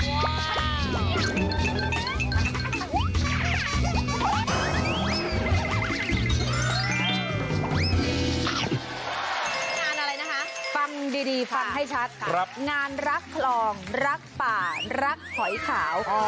งานอะไรนะคะฟังดีฟังให้ชัดงานรักคลองรักป่ารักหอยขาว